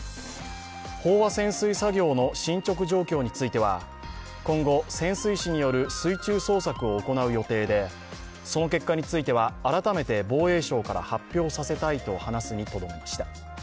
飽和潜水作業の進捗状況については今後、潜水士による水中捜索を行う予定で、その結果については、改めて防衛省から発表させたいと話すにとどめました。